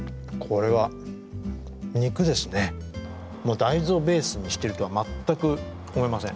大豆をベースにしているとは全く思えません。